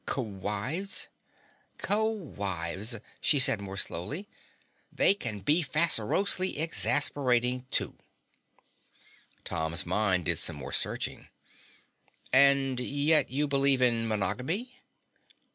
"Kwives?" "Co wives," she said more slowly. "They can be fascinerously exasperating, too." Tom's mind did some more searching. "And yet you believe in monogamy?"